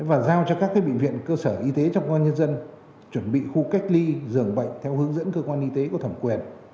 và giao cho các bệnh viện cơ sở y tế trong công an nhân dân chuẩn bị khu cách ly dường bệnh theo hướng dẫn cơ quan y tế có thẩm quyền